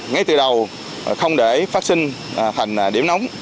ngay từ đầu không để phát sinh thành điểm nóng